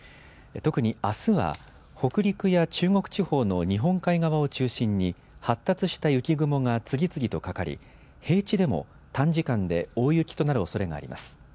特にあすは、北陸や中国地方の日本海側を中心に、発達した雪雲が次々とかかり、平地でも短時間で大雪となるおそれがあります。